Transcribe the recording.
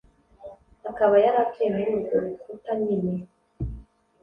akaba yari atuye muri urwo rukuta nyine